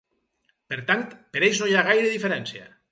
Per tant, per ells no hi ha gaire diferència.